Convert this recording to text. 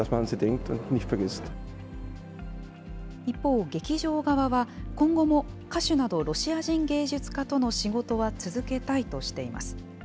一方、劇場側は今後も歌手などロシア人芸術家との仕事は続けたいとしています。